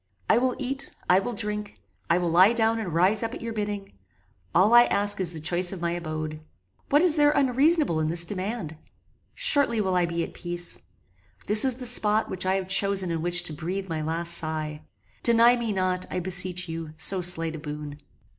I will eat I will drink I will lie down and rise up at your bidding all I ask is the choice of my abode. What is there unreasonable in this demand? Shortly will I be at peace. This is the spot which I have chosen in which to breathe my last sigh. Deny me not, I beseech you, so slight a boon.